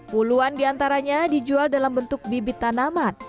puluhan diantaranya dijual dalam bentuk bibit tanaman